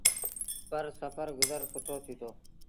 پر سڦر گزر سُٺو ٿيٚتو۔